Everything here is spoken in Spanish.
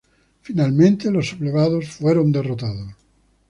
Finalmente los sublevados fueron derrotados.